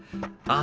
あ？